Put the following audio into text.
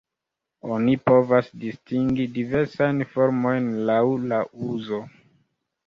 Oni povas distingi diversajn formojn laŭ la uzo.